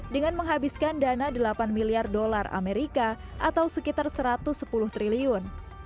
dengan menghabiskan dana delapan miliar dolar amerika atau sekitar satu ratus sepuluh triliun